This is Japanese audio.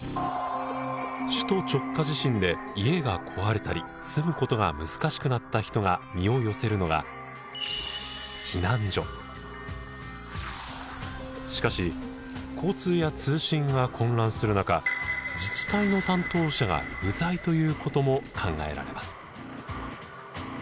首都直下地震で家が壊れたり住むことが難しくなった人が身を寄せるのがしかし交通や通信が混乱する中自治体の担当者が不在ということも考えられます。